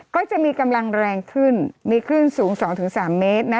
ก็จะมีกำลังแรงขึ้นมีคลื่นสูง๒๓เมตรนะ